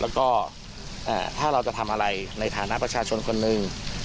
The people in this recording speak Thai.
แล้วก็ถ้าเราจะทำอะไรในฐานะประชาชนคนหนึ่ง